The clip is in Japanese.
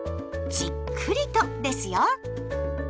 じっくりとですよ！